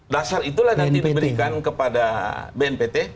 dasar itulah nanti diberikan kepada bnpt